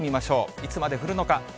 いつまで降るのか。